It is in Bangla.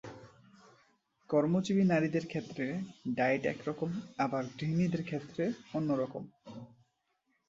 কর্মজীবী নারীদের ক্ষেত্রে ডায়েট এক রকম আবার গৃহিণীদের ক্ষেত্রে অন্য রকম।